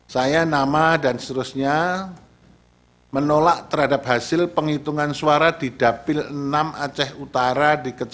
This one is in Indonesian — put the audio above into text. saya nama dan seterusnya menolak terhadap hasil penghitungan suara di dapil enam aceh utara